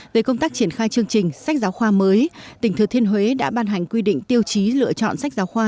về công tác triển khai chương trình sách giáo khoa mới tỉnh thừa thiên huế đã ban hành quy định tiêu chí lựa chọn sách giáo khoa